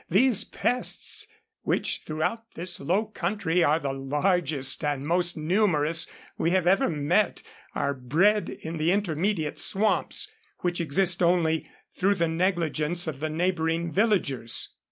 These pests, which throughout this low country are the largest and most numerous we have ever met, are bred in the intermediate swamps, which exist only through the negligence of the neighboring villagers.